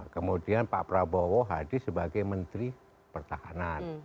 kemudian pak prabowo hadir sebagai menteri pertahanan